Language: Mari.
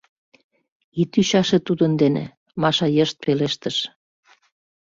— Ит ӱчаше тудын дене, — Маша йышт пелештыш.